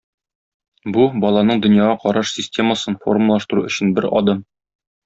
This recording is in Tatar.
Бу баланың дөньяга караш системасын формалаштыру өчен бер адым.